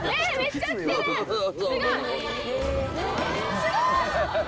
すごい！